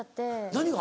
何が？